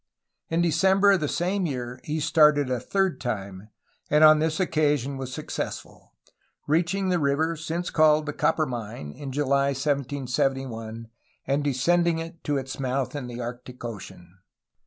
In December of the same year he started a third time, and on this occasion was successful, reaching the river since called the Coppermine in July 1771, and descending it to its mouth in the Arctic Ocean.